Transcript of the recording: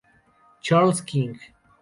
Charles King